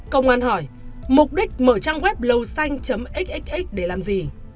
công an hỏi mục đích mở trang web lô xanh xxx để làm gì